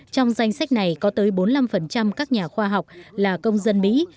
trong danh sách này có tới bốn mươi năm các nhà khoa học là công dân mỹ